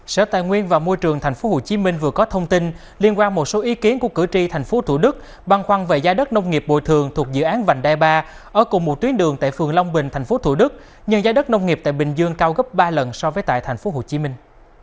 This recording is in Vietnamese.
sở tài nguyên và môi trường thành phố hồ chí minh vừa có thông tin liên quan một số ý kiến của cử tri thành phố thủ đức băn khoăn về gia đất nông nghiệp bồi thường thuộc dự án vành đai ba ở cùng một tuyến đường tại phường long bình thành phố thủ đức nhưng gia đất nông nghiệp tại bình dương cao gấp ba lần so với tại thành phố hồ chí minh